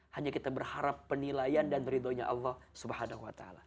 hanya kita berharap penilaian dan ridhonya allah swt